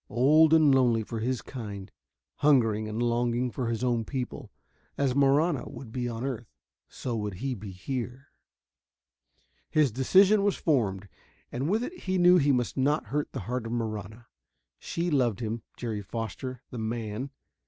Old and lonely for his kind, hungering and longing for his own people. As Marahna would be on earth, so would he be here.... His decision was formed. And with it he knew he must not hurt the heart of Marahna. She loved him, Jerry Foster, the man.